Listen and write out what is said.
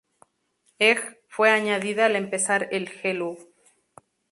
Egg, fue añadida al empezar el Hello!